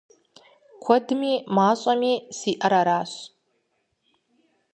Куэдми мащӏэми сиӏэр аращ.